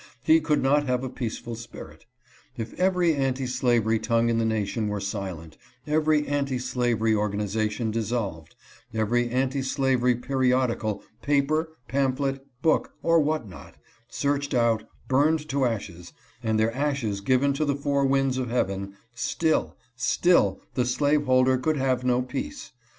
He could not have a peaceful spirit. If every anti slavery tongue in the nation were silent — every anti slavery organization dissolved — every anti slavery periodical, paper, pamphlet, book, or what not, searched out, burned to ashes, and their ashes given to the four winds of heaven, still, still the slaveholder could have no peace.